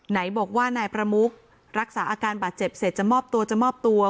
ไหนบอกว่านายประมุกรักษาอาการบาดเจ็บเสร็จจะมอบตัวจะมอบตัว